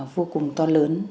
vô cùng to lớn